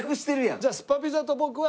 じゃあスパピザと僕は。